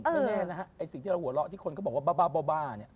ไม่แน่นะฮะไอ้สิ่งที่เราหัวเราะที่คนก็บอกว่าบ้าเนี่ย